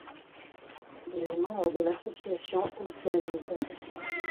Il est membre de l'association Océanides.